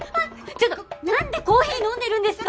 ちょっとなんでコーヒー飲んでるんですか！